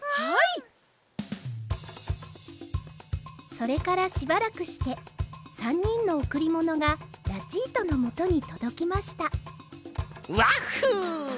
それからしばらくして３にんのおくりものがラチートのもとにとどきましたワッフゥ！